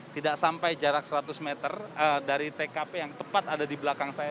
tidak sampai jarak seratus meter dari tkp yang tepat ada di belakang saya